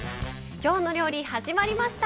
「きょうの料理」始まりました。